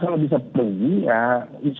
f error bisa dipilih